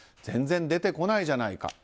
全然出てこないじゃないか。